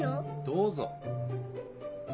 どうぞ！